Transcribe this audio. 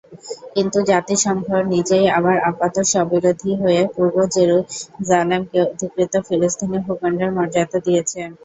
কিন্তু জাতিসংঘ নিজেই আবার আপাত-স্ববিরোধী হয়ে পূর্ব জেরুসালেমকে অধিকৃত ফিলিস্তিনি ভূখণ্ডের মর্যাদা দিয়েছে।